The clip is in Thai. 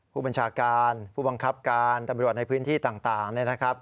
ผู้บัญชาการผู้บังคับการตำรวจในพื้นที่ต่างเนี่ยนะครับ